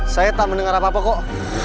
saya tak mendengar apa apa kok